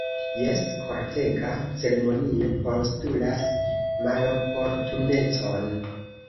Jes, kortega ceremonio postulas maloportunecon!